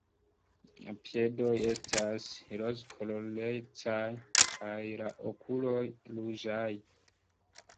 La piedoj estas rozkolorecaj kaj la okuloj ruĝaj.